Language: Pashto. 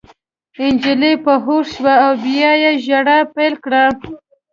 نجلۍ په هوښ شوه او بیا یې ژړا پیل کړه